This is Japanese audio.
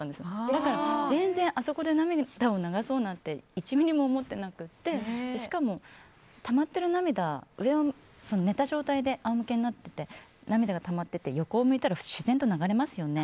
だから全然あそこで涙を流そうなんて１ミリも思ってなくてしかも上を向いた状態で仰向けになっていて涙がたまってて横を向いたら自然と流れますよね。